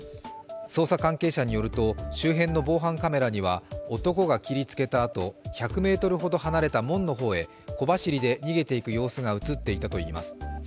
捜査関係者によると周辺の防犯カメラには男が切りつけたあと１００ｍほど離れた門の方へ小走りで逃げていく様子が映っていたといいます。